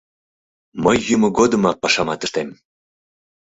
Мый йӱмӧ годымак пашамат ыштем.